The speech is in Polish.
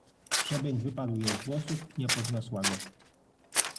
Grzebień wypadł jej z włosów, i nie podniosła go.